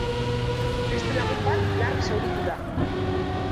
Beste lagun bat larri zauritu da.